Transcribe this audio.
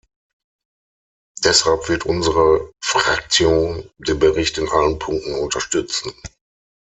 Deshalb wird unsere Fraktion den Bericht in allen Punkten unterstützen.